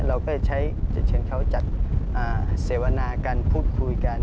เราก็จะใช้เจริญเขาจัดเศรษฐ์วนาการพูดคุยกัน